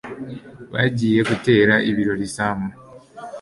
Bagiye gutera ibirori Sam.